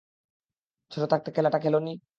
ছোট থাকতে খেলাটা খেলোনি?